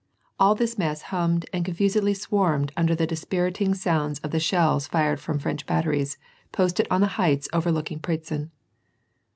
All this mass hummed and con fusedly swarmed under the dispiriting sounds of the shells fired from French batteries posted on the heights overlooking Pratzen.